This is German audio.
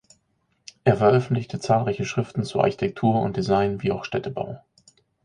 Er veröffentlichte zahlreiche Schriften zu Architektur und Design wie auch Städtebau.